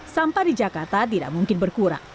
sampah di jakarta tidak mungkin berkurang